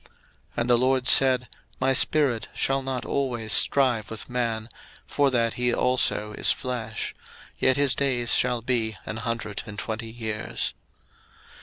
01:006:003 And the LORD said, My spirit shall not always strive with man, for that he also is flesh: yet his days shall be an hundred and twenty years.